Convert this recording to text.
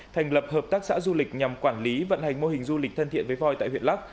thành lập hợp tác xã du lịch nhằm quản lý vận hành mô hình du lịch thân thiện với voi tại huyện lắc